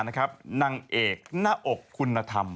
นางเอกหน้าอกคุณธรรม